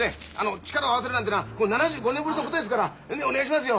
力を合わせるなんてのは７５年ぶりのことですからお願いしますよ。